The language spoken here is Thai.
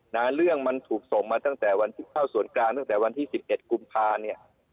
นะเรื่องมันถูกส่งมาตั้งแต่วันที่เข้าส่วนกลางตั้งแต่วันที่สิบเอ็ดกุมภาเนี่ย